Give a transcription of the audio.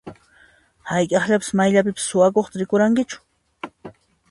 Hayk'aqllapas mayllapipas suwakuqta rikurqankichu?